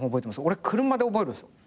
俺車で覚えるんすよ。